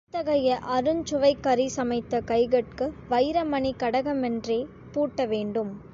இத்தகைய அருஞ் சுவைக்கறி சமைத்த கைகட்கு வைரமணிக் கடகமன்றே பூட்டவேண்டும்!